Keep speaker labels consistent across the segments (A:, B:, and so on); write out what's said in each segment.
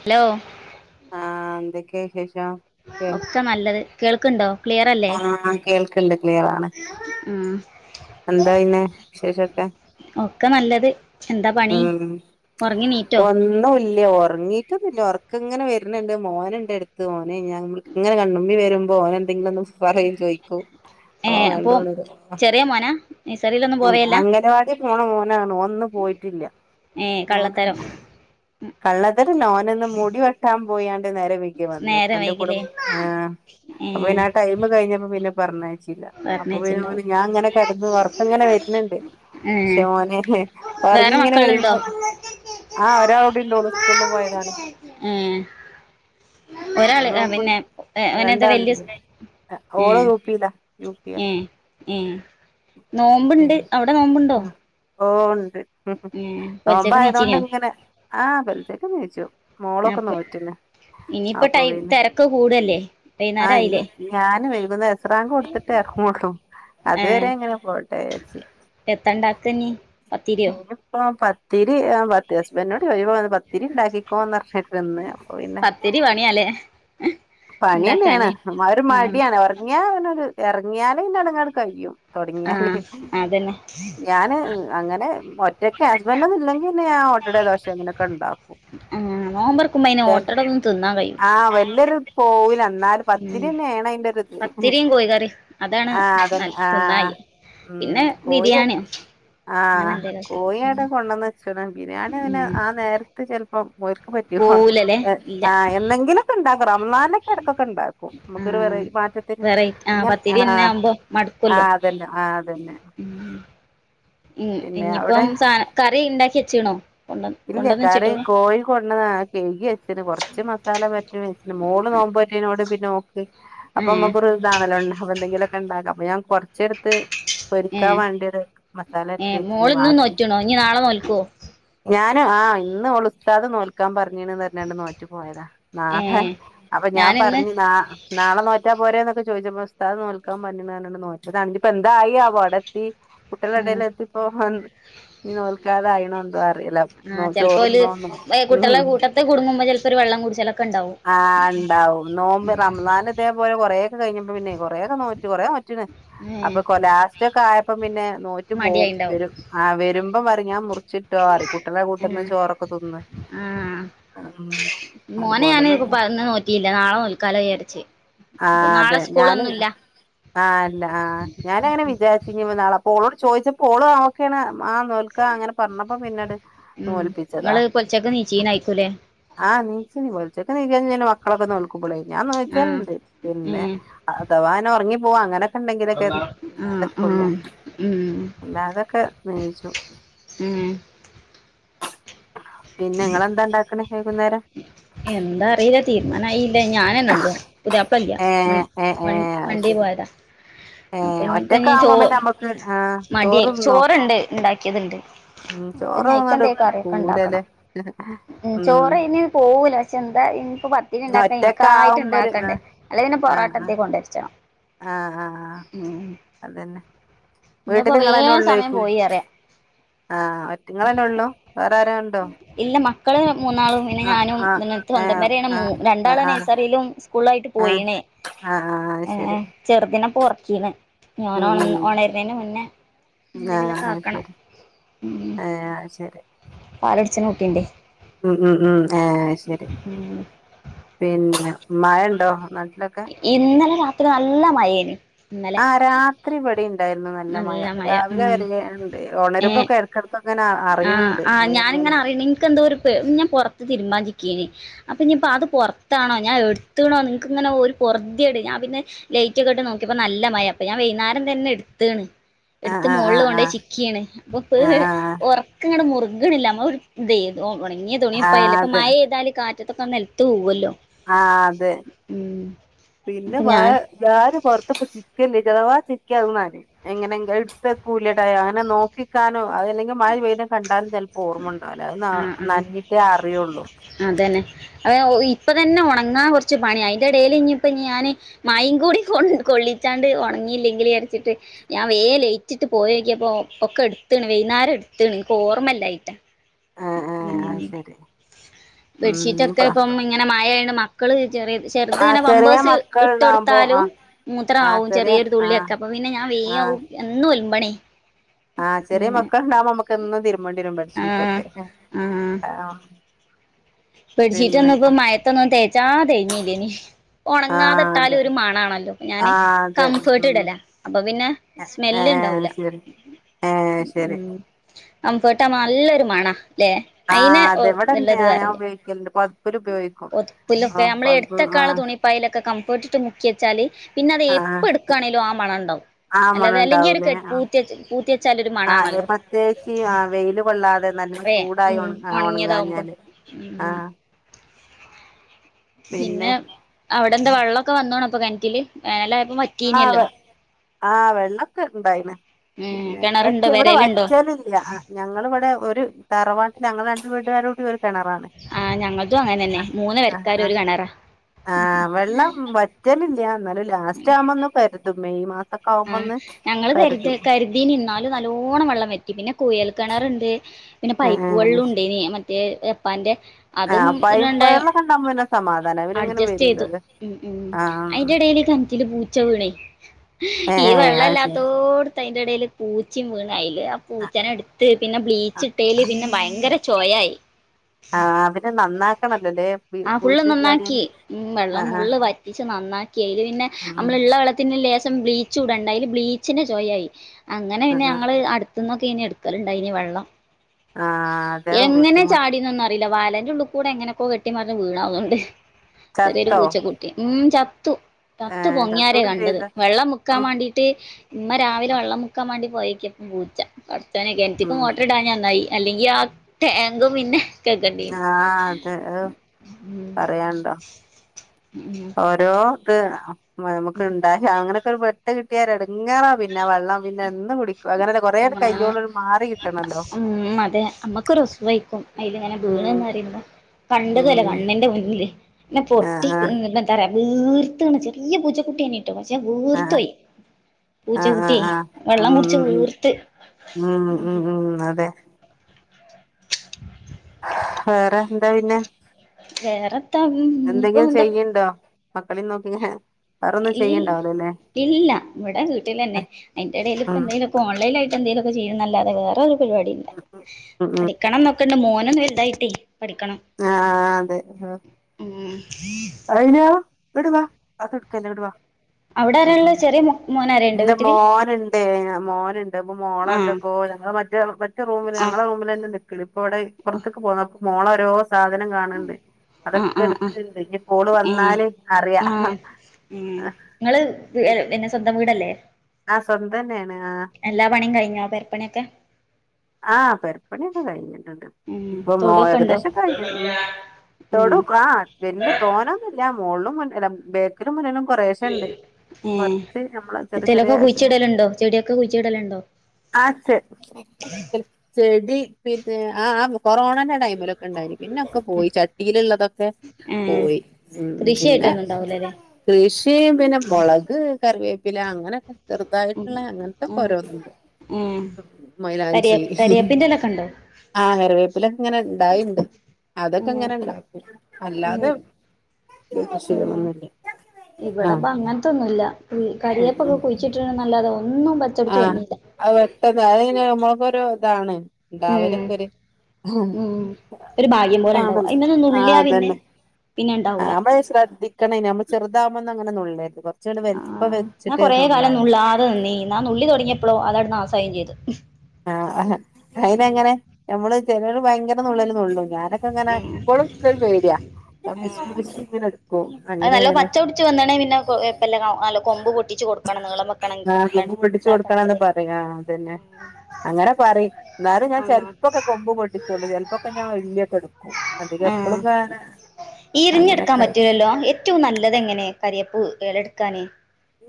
A: Hello
B: ആഹ് എന്തൊക്കെയാ വിശേഷം കേൾ
A: ഒക്കെ നല്ലത്. കേൾക്ക്‌ണ്ടോ? ക്ലിയറല്ലേ?
B: ആഹ് കേൾക്ക്ണ്ട് ക്ലിയറാണ്
A: ഉം
B: എന്താ പിന്നെ വിശേഷൊക്കെ
A: ഒക്കെ നല്ലത് എന്താ പണി
B: ഉം
A: ഉറങ്ങി നീറ്റോ
B: ഒന്നൂല്ല ഒറങ്ങിട്ട് ഇല്ല ഒർക്കങ്ങനെ വരണണ്ട് മോന് ഉണ്ട് അടുത്ത് മോന് ഞാനിങ്ങനെ കണ്ണുമ്പി വരുമ്പോ ഓനെന്തെങ്കിലും ഒന്ന് പറയും ചോയ്ക്കും
A: ഏ
B: അപ്പൊ
A: അപ്പോ
B: വീണ്ടും ഉണരും
A: ചെറിയ മോനാ നഴ്സറിയിലൊന്നും പോവേയല്ല
B: അംഗനവാടി പോണ മോനാണ് ഓന് ഇന്ന് പോയിട്ടില്ല
A: ഏ കള്ളത്തരം
B: കള്ളത്തരം അല്ല ഓന് ഇന്ന് മുടി വെട്ടാൻ പോയി നേരം വൈകിയാ വന്ന
A: നേരെ
B: ഇപ്പന്റെ കൂടെ
A: വൈകിലേ
B: കൂടെ ആഹ്
A: ഏ
B: അപ്പൊ പിന്നെ ആ ടൈം കഴിഞ്ഞപ്പോ പിന്നെ പറഞ്ഞയ ചില്ല അപ്പൊ പിന്നെ ഓന്
A: പറഞ്ഞയച്ചിണ്ടാവും
B: ഞാൻ ഇങ്ങനെ കെടന്ന് ഉറക്കങ്ങനെ വര്ന്ണ്ട്
A: ഏ
B: പക്ഷെ ഓന് ഒറങ്ങി
A: വേറെ
B: ഇങ്ങനെ
A: മക്കളുണ്ടോ
B: വരുമ്പോ ആഹ് ഒരാൾ ണ്ട് ഓള് സ്കൂളിൽ പോയതാണ്
A: ഏ
B: പിന്നെ
A: ഒരാള്
B: നോമ്പ്
A: പിന്നെ ഏഹ് അവനെന്താ വല്യ
B: രണ്ടാളുണ്ട് ഓള്
A: ഉം
B: യു പിയിലാ യു പിയാ
A: ഉം ഉം നോമ്പുണ്ട്
B: പിന്നെ
A: അവിടെ നോമ്പുണ്ടോ
B: ആ ഓ ഉണ്ട്
A: ഏ
B: നോമ്പ്
A: പൊലച്ചക്ക്
B: ആയതോണ്ട്
A: നീച്ചിനിയോ
B: ഇങ്ങനെ പെലച്ചക്കൊക്കെ നീച്ചു മോളൊക്കെ
A: അപ്പൊ
B: നോറ്റിണ്
A: ഇനിയിപ്പോ
B: അപ്പൊ
A: ടൈം
B: പിന്നെ
A: തിരക്ക് കൂടല്ലേ വൈന്നേരം
B: ആഹ് ഇനി
A: ആയില്ലേ
B: ഞാൻ വൈകുന്നേരം അസർ ബാങ്ക് കൊടുത്തിട്ടേ ഇറങ്ങ- ങ്ങുള്ളൂ
A: ഏ
B: അതുവരെ ഇങ്ങനെ പോട്ടെ വെച്ച്
A: എത്തണ്ടാക്ക ഇനി പത്തിരിയോ
B: ഇനിപ്പൊ പത്തിരി ആഹ് പത്തി ഹസ്ബന്റിനോട് പോയിച്ചപ്പോ പത്തിരി ഇണ്ടാക്കിക്കോ എന്ന് പറഞ്ഞു [unintelligible] അപ്പൊ പിന്നെ
A: പത്തിരി പണിയാലേ
B: പണിയന്നെയാണ്
A: ഉണ്ടാക്കാന്
B: ആ ഒരു മടിയാണ് ഉറങ്ങിയ ഇറങ്ങിയാല് പിന്നെങ്ങട് കയ്യും
A: ആ
B: തുടങ്ങിയാല്
A: അതന്നെ
B: ഞാന് അങ്ങനെ ഒറ്റക്ക്‌ ഹസ്‌ബന്റ് ഒന്നും ഇല്ലെങ്കിൽ പിന്നെ ഞാൻ ഓട്ടട ദോശം അങ്ങനൊക്കെ ഉണ്ടാക്കും
A: ആ നോമ്പൊറക്കുമ്പോ അന് ഓട്ടട ഒന്നും തിന്നാൻ കയ്യൂല
B: എന്നല് പത്തിരി തന്നെയ ആണ അയിന്റെ ഒ ഒരു ഇത്
A: പത്തിരിയും കോഴിക്കറിയും അതാണ്
B: ആ അതന്നെ ആ
A: തിന്നായി
B: ഉം
A: പിന്നെ
B: കോഴി
A: ബിരിയാണിയോ അങ്ങനെ
B: ആഹ്
A: എന്തേലുമൊക്കെ
B: കോഴിയിടാ കൊണ്ടന്ന വച്ചോന ബിരിയാണി അങ്ങനെ
A: ഉം
B: ആ നേരത്തെ ചെലപ്പം ഓല്ക് പറ്റി ഓൺ
A: പോവൂലല്ലേ ഇല്ല
B: ആ എന്തെങ്കിലൊക്കെ ഉണ്ടാക റമളാൻ ക്കിടക്കൊക്കെ ഇണ്ടാക്കും
A: ആ
B: മ്മക്കൊരു വെറൈറ്റി മാറ്റത്തിന്
A: വെറൈ
B: ഇങ്ങ ആ
A: പത്തിരി തന്നെ ആവുമ്പോ
B: ആ
A: മടുക്കുല്ലോ
B: അതന്നെ ആ അതന്നെ ആ
A: ഉം ഉം ഇനിയിപ്പം സ കറി ഇണ്ടാക്കി വെച്ചീണോ കൊണ്ട
B: ഇല്ല
A: കൊണ്ടന്ന്
B: കറി
A: വെച്ചിട്ടോളൂ
B: കോഴി കൊണ്ടന്ന കിഴുകി വച്ചന് കൊറച്ച് മസാല പെരട്ടി വെച്ചന് മോള് നോമ്പ ഉപ്പാക്കിനോട് പിന്നോ അപ്പൊ
A: ഏഹ്
B: നമുക്കൊരു ഇതാണല്ലോ ഉണ്ട അപ്പൊ എന്തെങ്കിലുമൊക്കെ ഉണ്ടാക്കാം അപ്പൊ ഞാൻ കൊറച്ചെടുത്ത് പൊരിക്കാൻ
A: ഏഹ്
B: വേണ്ടിയത് മസാല
A: ഏഹ്
B: തേച്ചെന്ന്
A: മോളിന്നും
B: ബാക്കി
A: നോറ്റ്ണോ ഇനി നാളെ നോൽക്കോ
B: ഞാനും ആഹ് ഇന്ന് ഓളുസ്താത് നോക്കൻ പറഞ്ഞീന്ന് പറഞ്ഞാണ്ട് നോറ്റു പോയതാ നാളെ
A: ഏഹ്
B: അപ്പൊ ഞാൻ
A: ഞാനിന്ന്
B: പറഞ്ഞു ന നാളെ നോറ്റാ പോര പ്പ ചോദിച്ചപ്പം സ്താത് നോൽക്കാൻ പറഞ്ഞതതോണ്ട് നോറ്റത അന്നിട്ടിപ്പാ എന്തായി ആവോ അവിടെത്തി
A: ഉം
B: കുട്ടളടൽ എത്തിപ്പോ നീ നോൽക്കാതെ ആയിണന്ത
A: ആ ചെലപ്പോല് കുട്ടളെ
B: ഉം
A: കൂട്ടത്തെ കുടുങ്ങുമ്പോ ചെപ്പോ ഒരു വെള്ളം കൂടിചലോ
B: ആ ഉണ്ടാവും നോമ്പ് റംസാൻ ഇതേപോലെ കൊറെ ഒക്കെ കഴിഞ്ഞ പിന്നെ കൊറെക്കെ നോറ്റി കൊറ
A: ഏഹ്
B: അപ്പൊ ലാസ്റ്റ് ഒക്കെ ആയപ്പോ പിന്നെ നോറ്റു പോവും
A: മടിയായിണ്ടാവും
B: വെരും ആ വെരും അപ്പ പറഞ്ഞ ഞാൻ മു ചുറ്റു
A: ഉം
B: [unintelligible] ചോറൊക്കെ തിന്ന് മ് മ്
A: അനെ ഞാൻ ഇ പറന്ന നോറ്റിയില്ല നാളെ നോൽക്കാലം വിചാരിച്ച ഇപ്പ നാളെ സ്കൂളൊന്നുംല്ല
B: ആല്ല ആ ഞാനങ്ങനെ വിചാരിച്ചിനി നാളെ അപ്പൊ ഓളോട് ചോദിച്ചപ്പോ ഓളും ഒക്കെന്ന് ആഹ് നോൽക്കാ അങ്ങനെ പറഞ്ഞപ്പോ പിന്നോട്
A: ഉം
B: നോല്പ്പിച്ചതാ
A: ഇങ്ങള് പൊലച്ചക്ക് നീച്ചീനായിക്കൂലേ
B: ആ നീച്ചീ പോച്ചോക്കെ [unintelligible] മക്കളൊക്കെ നോൽക്കും ള ഞാന്ന്
A: ആഹ്
B: [unintelligible] പിന്നെ
A: ഏഹ്
B: അതവ നെ ഉറങ്ങി പോവാ അങ്ങനെ ഉണ്ടെങ്കിലൊക്കെ
A: ആഹ്
B: അതൊക്കെ ഉള്ളൂ
A: ആഹ് ഉം
B: അല്ലാ അതൊക്കെ നീയിച്ചു
A: ഉം
B: പിന്നെ നിങ്ങളെന്താ ഇണ്ടാക്കണ വൈകുന്നേരം
A: എന്താ അറിയില്ല തീരുമാനമായില്ല ഞാനന്നെ ഉള്ളൂ പുതിയാപ്ല ഇല്ല
B: ഏ ഏ ഏ
A: വൺ
B: അത്
A: വണ്ടി
B: ശരി
A: പോയ ഫത
B: ഏ
A: അപ്പൊ ഇനിപ്പ ന ചോ
B: ഒറ്റക്കാവുമ്പോ പിന്നെ നമ്മക്ക് ആ
A: മടിയായി
B: ചോറ് തിന്നോ
A: ചോറുണ്ട് ഇണ്ടാക്കിയത്ണ്ട്
B: ഉം
A: അപ്പൊ
B: ചോറ് തിന്നിട്ട്
A: നൈറ്റ്ന്തേലു കറിയൊക്കെ
B: പോവൂലല്ലേ
A: ഉണ്ടാക്കണം ഉം ചോറ് അയിന് പോകൂല പക്ഷെ എന്താ ഇനിപ്പ പത്തിരി ഇണ്ടാക്ക
B: ഒറ്റക്കെ
A: എനക്കായിട്ട്
B: ആവുമ്പോ ഒരു ആ
A: ഉണ്ടാക്കണ്ടെ അല്ലെ പിന്നെ
B: ആ
A: പൊറാട്ടന്തെ കൊണ്ട വെരിച്ചാണം
B: ആ ആ ആ അതന്നെ വീട്ടിൽ
A: ഇന്നിപ്പോ
B: നിങ്ങളെന്നെ
A: വേഗം സമയം
B: ഉള്ളോയിക്കും
A: പോയി അറിയാം
B: ആ ഒറ്റ നിങ്ങന്നെ ഉള്ളൂ വേറെ ആര ട്ടോ
A: ഇല്ല മക്കള് മൂന്നാളും പിന്നെ ഞാനുംന്ന
B: ഏ
A: സ്വന്തം
B: ആ
A: പരെയാണ
B: ആ
A: മ് രണ്ടാള്
B: ആ
A: നഴ്സറിയിലും സ്കൂളായിട്ട്
B: ആ
A: പോയിണ്
B: ആ ആ
A: ഏ
B: ശരി
A: ചെറുദിന ഇപ്പ ഒറക്കീണ് ഞാൻ ഓണ
B: ഉം
A: ഒണരുന്നന് മുന്നേ എന്തെങ്കിലൊക്കെ ആക്കണം
B: ഹ ശെരി
A: പടിച്ചു നോക്കേണ്ട്
B: ഉം ഉം ഉം ആഹ് ശെരി
A: ഉം
B: പിന്ന മയണ്ടോ നാട്ടിലൊക്കെ
A: ഇത്ര നല്ല മയെന്
B: ആ രാത്രി ഇവടെയിണ്ടായിരുന്നു നല്ല മഴ രാവിലെ വരേണ്ട് ഉണരുമ്പൊക്കെ ഇടക്കടുക്ക്
A: ആ ആ ഞാനിങ്ങനെ അറ നിങ്ങൾക്കെന്തൊരു പെ ഞാൻ പുറത്ത് തിരുബാൻ ച്ചി അപ്പൊ ഇ അത് പുറത്താണോ ഞാൻ എടുത്തണോ നിക്ക്ങ്ങനെ ഒരുറട് ഞാ പിന്നെ ലയറ്റ് ഒക്കെട്ട് നോക്കിയപ്പോ നല്ല മഴ അപ്പ ഞാൻ വൈകുന്നേരം തന്നെ എടുത്താണ്
B: ആ
A: എടുത്ത്
B: ആ ആ
A: മോളിൽ
B: ആ
A: കൊണ്ടോയി ചിക്കിയാണ് അപ്പൊ
B: ആ ആ
A: ഇുടെ മുറുകണില്ലമ്മ ഇത ഉണങ്ങിയ
B: ആ
A: തുണിപ്പയല്ല ഇപ്പ
B: അതെ
A: മഴ മെയ്താല് കാ റ്റത്തൊക്കെ നിലത്തു പോകുമല്ലോ
B: ആ അതെ പിന്നെ
A: അപ്പൊ
B: വ
A: ഞാൻ
B: ഞാനും പൊറത്തപ്പ ചിക്കല്ലേ ചലവാ എങ്ങനെ ഇടുത്ത് കൂലട അങ്ങനെ നോക്കിക്ക അതല്ലെങ്കിൽ മഴ വെയിലം കണ്ടാലും ചിലപ്പോ ഓർമ്മണ്ടാവല്ല അത്
A: ആഹ് ആഹ്
B: നനഞ്ഞിട്ടേ അറിയുള്ളൂ
A: അതേ ഇപ്പ തന്നെ ഉണങ്ങാൻ കുറച്ചു പണിയ അതിന്റെ ഇടയിൽ ഇനി ഇപ്പ ഞാന് മഴയും കൂടി കൊ കൊള്ളി ച്ചാണ്ട് ഉണങ്ങിയില്ലെങ്കിലിൽ വിചാരിച്ചിട്ട് ഞാൻ വേഗം ലൈറ്റിട്ട് പോയോക്കിയപ്പോ ഒക്കെ എടു ഇന്നര എടുത്തണ്നിക്ക് ഓർമ്മല്ലാഞ്ഞിട്ടാ
B: ആ ആ അത് ശരി ഉം
A: ബെഡ്ഷീറ്റ് ഒക്കെ
B: ഇപ്പ
A: ഇപ്പം ഇങ്ങനെ മഴയായോണ്ട് മക്കള് ചെറിയ ചെറുത്
B: ആ
A: ഇങ്ങനെ
B: ചെറിയ
A: പമ്പേഴ്സ് ഇട്ട്
B: മക്കൾണ്ടാവുമ്പോ ആ
A: കൊടുത്താലും മൂത്രമാ
B: ആ
A: ആവും
B: ചെറിയ
A: ചെറിയൊരു
B: ആ
A: തുള്ളിയൊക്കെ അപ്പ പിന്നെ ഞാൻ
B: ആ
A: എന്നും ഒലമ്പണേ
B: ആ ചെറിയ മക്കളുണ്ടാവുമ്പോ നമുക്ക് എന്നും തിരുമേണ്ടി വരും ബെഡ്
A: ആ
B: ഷീറ്റൊക്കെ ആ
A: ബെഡ് ശീറ്റൊക്കെ
B: പിന്നെ
A: ഒന്നും ഇപ്പ മഴത്തൊന്നും തേച്ചാ തേഞ്ഞല്ലേനി
B: ആ
A: ഉണങ്ങാതിട്ടാല്
B: അതെ
A: ഒരു മണാണല്ലോ ഞാന്
B: ആ അതെ
A: കംഫേർട്ട്
B: ഉം
A: ഇടല അപ്പൊ പിന്നെ
B: ഏ
A: സ്മെല് ഇണ്ടാമൂല
B: ശരി ഏ ശരി
A: കംഫോർട്ട് ആ നല്ലൊരു മണ അല്ലെ അയിന്
B: ആഹ് അതെ ഇവിടെണ്ട്
A: നല്ലത്
B: ആ ഞാൻ
A: വേറല്ലേ
B: ഉപയോഗിക്കലുണ്ട് പൊതപ്പില് ഉപയോഗിക്കും ആഹ്
A: നമ്മള്
B: പൊതപ്പ്
A: എടുത്ത് വെക്കാനുള്ള
B: ആഹ്
A: തുണിപ്പായലൊക്കെ കംഫോർട്ട് ഇട്ട് മുക്കി വെച്ചാല് പിന്നെ അത്
B: ആഹ്
A: എപ്പ എടുക്കുകയാണെങ്കലും ആ മണം ഉണ്ടാവും
B: ആഹ്
A: അല്ലാതെ അല്ലെങ്കി ഒരു
B: മണണ്ടാവൂലേ ആഹ്
A: പൂത്തി പൂത്തി വെച്ചാൽ ഒരു മണം
B: ആഹ്
A: ആണല്ലോ
B: പ്രത്യേകിച്ച് ആഹ് വെയില് കൊള്ളാതെ നല്ല
A: വേ
B: ചൂടായി
A: ഉം
B: ഒണ
A: ഉണങ്ങിയതാവുമ്പോ
B: ഒണങ്ങാഞ്ഞാല്
A: ഉം
B: ആഹ്
A: പിന്നെ അവിടെ എന്താ വെള്ളമൊക്കെ വന്നോണ അപ്പൊ കെണറ്റില് വേനലായപ്പോ വറ്റീനല്ലോ
B: ആഹ് ആഹ് വെള്ളമൊക്കെ ഇണ്ടായിന്
A: ഉം
B: പിന്നെ വച്ച
A: കിണറുണ്ടോ
B: ഇവിടെ
A: പെരേലുണ്ടോ
B: വച്ചലില്ല ഞങ്ങിവിടെ ഒരു തറവാട്ട ഞങ്ങള് ന വീട്ട്കാര്
A: ആഹ് ഞങ്ങതും അങ്ങനെ തന്നെ മൂന്ന്
B: ആഹ്
A: പരക്കാാരും ഒരു
B: ആഹ്
A: കിണറാ
B: ആഹ് വെള്ളം വറ്റലില്ല എന്നാലും ഒര് മെയ് മാസ
A: ആ ഞങ്ങള് കരു കരുതി നി ന്നാലും നല്ലോണം വെള്ളം വറ്റി പിന്നെ കുൽ കിണർുണ്ട് പിന്നെ പൈപ്പ്
B: ഏഹ്
A: വെള്ളം ഉണ്ട് ജപ്പാൻ്റെ അതും
B: ആഹ് പൈൻ
A: രണ്ട
B: പഴങ്ങളൊക്കെ ഉണ്ടാവുമ്പോ പിന്നെ സമാധാനം അവരിങ്ങനെ
A: അഡ്ജസ്റ്റ്
B: വരുല്ലോ
A: ചെയ്തു ഉ ഉ
B: ആഹ്
A: അതിന്റെ കനക്കില് പൂച്ച വീണെ ഈ
B: ഏഹ് ഏഹ് അത് ശരി
A: വെള്ളംമല്ലാത്തോടത്ത് അതിന്റെ ഇടയിൽ പൂച്ചും വീണ് ല് ആ
B: ആഹ്
A: പൂച്ചനെ എടുത്ത് പിന്നെ ബ്ലീച്ച്
B: ആഹ്
A: ഇട്ടേല് പിന്നെ ഭയങ്കര ചോയായി
B: ആഹ് അവര് നന്നാക്കണല്ലോല്ലേ
A: ആ ഫുള്ള്
B: പൂച്ച
A: നന്നാക്കി
B: ചാടിയാല്
A: വെള്ളം
B: ആഹ് ആഹ്
A: മുള്ള് വറ്റിച്ച് നന്നാക്കി ക്കി അയ്ല് പിന്നെ
B: ഉം
A: നമ്മള് ഉള്ള വെള്ളത്തി ലേസം ബ്ലീച്ച് ഇടണ്ടെ അയ്ല് ബ്ലീച്ചിന്റെ ചോയായി അങ്ങനെ പിന്നെ
B: ആഹ് ആഹ്
A: ഞങ്ങള് അടുത്തന്നൊക്കെ ഇനി ഇട്ക്കലുണ്ടയ്നെ വെള്ളം
B: ആഹ് അതെ
A: എങ്ങനെ
B: ബുദ്ധിമുട്ട്
A: ചാടിന്നൊന്നറി വാലന്റെറെ ഉള്ള്കൂടെ എങ്ങനെൊക്കോ കെട്ടിമാറിഞ്ഞ് വീണാന്ന്ണ്ട് ചെറിയരു
B: ചത്തോ
A: പൂച്ചക്കുട്ടി ഉം ച ത്ത്
B: ഏഹ്
A: പൊങ്ങയാരെ
B: ചത്തൂടും
A: കണ്ടത്
B: ചെയ്ത്
A: വെള്ളം മുക്കാൻ
B: ഉം
A: മാണ്ടീട്ട് ഇമ്മ രാവിലെ വെള്ളം മുക്കാൻ വേണ്ടി പോയേക്കപ്പ പൂച്ച ചോനെ കെൻറ്റ്ക്ക് മോട്ടർ ഇടാഞ്ഞ നന്നായി അല്ലെങ്കി ആ ടേങ്കും പിന്നെ കേക്കണ്ടീനി
B: ആഹ് അതെ അഹ്
A: ഉം
B: പറയണ്ടോ ഓരോ ഇത് നമുക്ക് ഉണ്ടായി അങ്ങനെ വെട്ട് കിട്ടിയാ എര്ടെങ്ങാറാ പിന്നെ ആ വെള്ളം പിന്നെ എന്ന് കുടിക്ക കൊറേ കയ്യോളും മാറി
A: മ്മ് അതെ അമ്മക്കൊരൊസ് വേക്കും അയ്ൽ ങ്ങനെ വീണ്ന്ന്
B: ഉം
A: പറിമ്പോ കണ്ടതല്ലേ
B: ഉം
A: കണ്ണിന്റെ മുന്നില് ന്നെ പൊട്ടി
B: ആഹ് ആഹ്
A: എന്താ പറയ വീർത്ത് ചെറിയ പൂച്ചക്കുട്ടി ഏനി പക്ഷെ
B: ആഹ്
A: വീർത്തോയി പൂച്ചകുട്ടേ വെള്ളം കുടിച്ച് വീർ
B: മ്മ് മ്മ് മ് അതെ വേറെ ന്താ പിന്നെ
A: വേറെത്താ ഇനിയിപ്പോ
B: എന്തെങ്കിലും
A: എന്താ
B: ചെയ്യ്ണ്ടോ മക്കളിം നോക്കിങ്ങനെ
A: ഈ ഇല്ല വടെ വീട്ടിലന്നെ അയ്ൻ്റെടേൽ
B: ഉം
A: ഇപ്പന്തേലൊക്കെ ഓൺലൈൻ ആയി എന്തേലൊക്കെ ചെയ്യുന്നല്ലാതെ വേറെ ഒരു പരിപാടില്ല
B: ഉം ഉം
A: പഠിക്കണംന്നൊക്കെണ്ട് മോനൊന്ന് വല്തായിട്ടേ പഠിക്കണം
B: ആ അതെ
A: ഉം
B: റിനോ ങ്ങട്ട് വാ അതൊന്നുട്ക്കല്ലേ ങ്ങട്ട് വാ
A: അവിടാരാള്ളേ ചെറേ മോ മോനാരേണ്ടോ
B: ന്റെ
A: വീട്ടില്
B: മോനുണ്ട് മോനുണ്ട് അപ്പോ മോളെ
A: ആഹ്
B: ന്തോക്കോ ഞങ്ങള് മറ്റേ മറ്റേ റൂമില്
A: ആഹ്
B: ഞങ്ങള റൂമിലന്നെ നിക്കൽ പ്പോ ഇപ്പൊറ്ത്തേക്ക് പോന്നപ്പോ മോളെ ഓരോ സാധനം കാണ്ണ്ട്
A: ആഹ് ആഹ് ആഹ്
B: അതൊക്കെട്ക്ക്ണ്ട് ഇഞ്ഞിപ്പോ ഓള് വന്നാൽ അറിയാം
A: എം ങ്ങള് പിന്നെ സ്വന്തം വീടല്ലേ
B: ആഹ് സ്വന്തന്നേണ് ആഹ്
A: പെരപ്പണണ്യൊക്കെ
B: ആഹ് പെരിപ്പണ്യൊക്കെ കഴിഞ്ഞ്ട്ടുണ്ട്
A: ഉം
B: ഇപ്പം
A: തൊടുവൊക്കെ ഉണ്ടോ
B: ഏകദേശം കഴിഞ്ഞ്ണ്
A: ഉം
B: തൊടുക്കെ ആ വെല്ല്യ തോനൊന്നുല്ല മോള്ലും മുന്നി അല്ല ബേക്കിലും മുന്നിലും കൊറേശെണ്ട്
A: ഏഹ്
B: കൊറ്ച്ച് നമ്മള ചെറ്യേ
A: എന്തേലൊക്കെ
B: ചെറ്യേ
A: കുഴിച്ചിടലുണ്ടോ ചെടിയൊക്കെ കുഴിച്ചിടലുണ്ടോ
B: ആ ചെടി പിന്നെ ആ ആ കൊറോണന്റെ ടൈമിലൊ ഉണ്ടായിനി പിന്നൊക്കെ പോയി ചട്ടീലുള്ളതൊക്കെ
A: ഏഹ്
B: പോയി മ് പിന്നെ
A: കൃഷിയായിട്ടൊന്നും ഉണ്ടാവൂലല്ലേ
B: കൃഷിയും പിന്നെ മൊളക് കറിവേപ്പില അങ്ങനൊക്കെ
A: ഉം
B: ചെറുതായിട്ടുള്ള അങ്ങത്തൊക്കെ
A: ഉം
B: ഓരോന്ന്ണ്ട് മായ്ലാ
A: കര്യേപ്പിലൻ്റെലൊക്കെണ്ടോ
B: ആഹ് കറിവേപ്പിലൊക്കെങ്ങനെ ണ്ടാവ്ണ്ട്
A: ഉം
B: അതൊക്കെങ്ങനെ ണ്ടാക്കും
A: ഉം
B: അല്ലാതെ [unintelligible] ആഹ്
A: ഇവിടെപ്പം അങ്ങന് ത്തൊന്നും ഇല്ല കരിയേപ്പൊക്കെ കുഴിച്ചിട്ട്ണ്ന്നെല്ലാതെ
B: ആഹ അത് പെട്ടെന്ന് അ നമ്മക്കൊരു ഇതാണ്
A: ഉം
B: ഉണ്ടാവലൊക്കെ ഒരു
A: ഉം ഒരു ഭാഗ്യം പോലെ ഉണ്ടാവും
B: കാണല്ലേ
A: അയ്മന്ന്
B: ആഹ
A: നുള്ളിയാ പിന്നെ
B: അതന്നെ
A: പിന്നെ
B: ആ
A: ഉണ്ടാവൂല
B: മ്മള് ശ്രദ്ധിക്കണേ നമ്മൾ ചെറുതാവുമ്പൊന്നും അങ്ങനെ നുള്ളര്ത് കൊ
A: ആ ഞാൻ കുറെ കാലം നുള്ളാതെ നിന്നീനി ന്നാ ന്നുള്ളി തൊട്ങ്യപ്പോളോ അതാട് നാസായിം ചെയ്ത്
B: ആഹഹ
A: ഉം
B: അയ്നെങ്ങനെ നമ്മള് ചെലോര് ഭയങ്കര ന്നുള്ളല് ന്നുളളും ഞാൻ എട്കോക്കെങ്ങനെ
A: ഉം
B: എപ്പോഴും ന്ക്കൊരു പേട്യോ
A: ആഹ്
B: [unintelligible]
A: അത് നല്ലോം പച്ച പിട്ച്ച് വന്ന്ണേൽ പിന്നെ കൊഴ്പ്പല്ല കൊമ്പ് പൊട്ടിച്ച് കൊടുക്കണം നീളം വെക്കാണെങ്കിൽ
B: ട്ടിച്ച് കൊടുക്കണംന്ന് പറയ ആഅതന്നെ അങ്ങനെ പറിം ന്നാലും ഞാൻ
A: ആണോ
B: ചെല്പ്പൊക്കെ കൊമ്പ് പൊട്ടിച്ചൊള്ളൂ ചെല്പ്പൊക്കെ ഞാൻ ഇല്ല്യൊക്കെ എടുക്കും അ എപ്പൊളും ങ്ങനെ
A: ഇര്ഞ്ഞ്ട്ക്കാൻ പറ്റൂലല്ലോ എറ്റവും നല്ലത് എങ്ങനെ കര്യേപ്പ് എലെട്ക്കാന്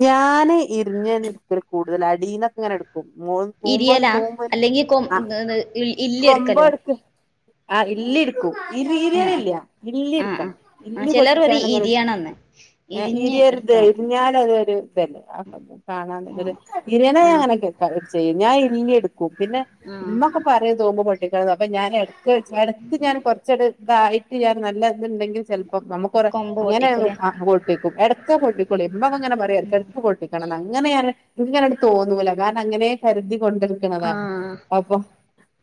B: ഞാന് ഇരിഞ്ഞേനിട്ക്കൽ കൂടുതൽ അടീന്നൊക്കെങ്ങനെ എടുക്ക മോ തൂമ്പോന്ന്
A: ഇരിയലാ
B: തൂമ്പന്
A: അല്ലെങ്കിൽ കൊ
B: ആ
A: ഇല്ലി എടുക്കലോ
B: കൊമ്പടുക്ക് ആ ഇല്ലിട്ക്കു. ഇരി
A: ആഹ്
B: ഇര്യലില്ല ഇല്ലി
A: ആഹ് ആഹ്
B: ട്ക്കണം
A: ആഹ്
B: ഇല്ലി
A: ചിലർ പറയും
B: പൊട്ടിച്ചാണ്ടങ്ങനെ എടുത്ത
A: ഇരിയണംന്ന് ഇരിഞ്ഞ്
B: ഇര്യര്ത്
A: എടുക്കണം
B: ഇര്ഞ്ഞാൽ [unintelligible]
A: ആഹ് ആഹ്
B: ചെയ്യുംം ഞാൻ ഇല്ലിട്ക്കും പിന്നെ
A: ആഹ്
B: ഇമ്മൊക്കെ പറ്യ തൂമ്പ് അപ്പോ ഞാൻ എടക്ക് എടക്ക് ഞാൻ കൊറ്ച്ചട് തായിട്ട് ഞാൻ നല്ലണ്ടെങ്കിൽ ചെൽ അപ്പ നമുക്കൊറ
A: കൊമ്പ് പൊട്ടിക്കൂലേ
B: അങ്ങനെട്ടേക്കും ഇടക്ക് പൊട്ടിക്കും ഇമ്മ അങ്ങനെ പറയാ ഇടക്ക് ഇടക്ക് പൊട്ടിക്കണംന്ന് അങ്ങനെ ഞാന് എനിക്ക് അങ്ങനെ തോന്നൂല്ല അങ്ങനെ കരുതി കൊണ്ടിരിക്കുന്നതാണ്
A: ആഹ്
B: അപ്പൊ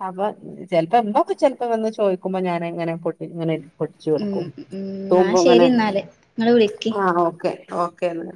B: അപ്പൊ ചിലപ്പോ എ ചിലപ്പോ വന്ന് ചോദിക്കുമ്പോ ഞാന് എങ്ങനെ ഇങ്ങനെ പൊടിച്ചു
A: ഉം
B: കൊർക്കും
A: ഉം എന്നാ
B: തോപോ അങ്ങനെ
A: ശരി എന്നാല് നിങ്ങള് വിളിക്ക്
B: ആ ഓക്കെ ഓക്കെന്ന